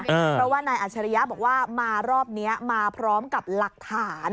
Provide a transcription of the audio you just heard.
เพราะว่านายอัชริยะบอกว่ามารอบนี้มาพร้อมกับหลักฐาน